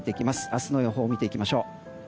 明日の予報を見ていきましょう。